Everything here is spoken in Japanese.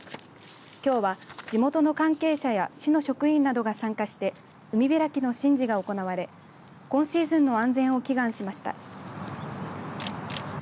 きょうは地元の関係者や市の職員などが参加して海開きの神事が行われ今シーズンの安全を祈願しました。